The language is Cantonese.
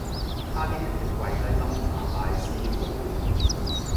差啲直接跪低斟茶嗌師父